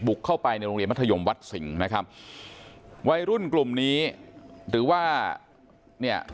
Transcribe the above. เข้าไปในโรงเรียนมัธยมวัดสิงห์นะครับวัยรุ่นกลุ่มนี้หรือว่าเนี่ย